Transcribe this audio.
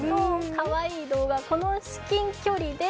かわいい動画、この至近距離で。